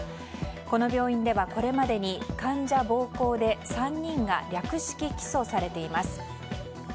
この病院ではこれまでに患者暴行で３人が略式起訴されています。